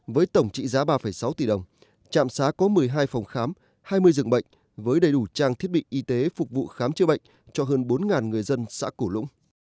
với tổng trị giá ba sáu tỷ đồng trạm xá có một mươi hai phòng khám hai mươi dường bệnh với đầy đủ trang thiết bị y tế phục vụ khám chữa bệnh cho hơn bốn người dân xã cổ lũng